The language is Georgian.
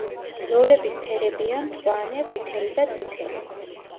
ზოლების ფერებია: მწვანე, ყვითელი და წითელი.